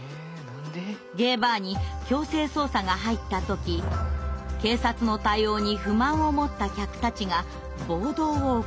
ゲイバーに強制捜査が入った時警察の対応に不満をもった客たちが暴動を起こしたのです。